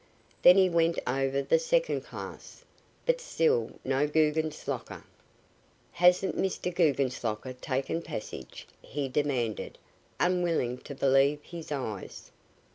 Then he went over the second class, but still no Guggenslocker. "Hasn't Mr. Guggenslocker taken passage?" he demanded, unwilling to believe his eyes.